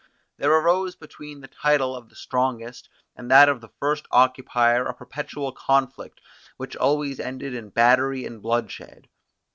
There arose between the title of the strongest, and that of the first occupier a perpetual conflict, which always ended in battery and bloodshed.